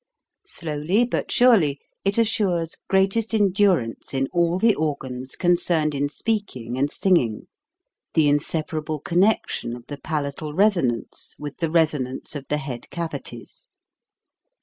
Slowly but surely it assures greatest endurance in all the organs concerned in speaking and singing, the inseparable connection of the palatal resonance with the resonance of the head cavities.